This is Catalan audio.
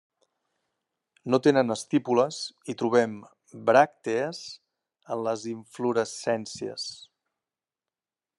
No tenen estípules i trobem bràctees en les inflorescències.